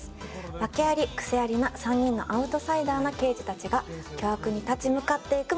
訳あり癖ありな３人のアウトサイダーな刑事たちが巨悪に立ち向かっていく物語です。